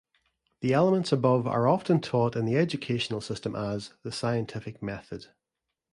The elements above are often taught in the educational system as "the scientific method".